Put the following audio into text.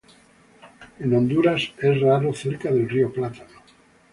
En Honduras, es raro cerca del río Plátano.